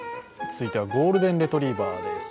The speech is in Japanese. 続いてはゴールデンレトリーバーです。